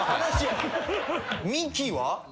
ミキは？